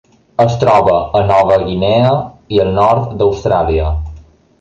Es troba a Nova Guinea i el nord d'Austràlia.